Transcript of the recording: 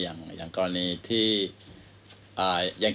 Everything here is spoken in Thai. อย่างเช่นนะครับลักงานอย่าง